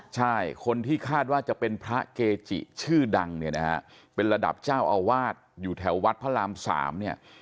ใช่คนที่คาดว่าจะเป็นพระเกจิชื่อดังเนี่ยนะฮะเป็นระดับเจ้าอาวาสอยู่แถววัดพระรามสามเนี่ย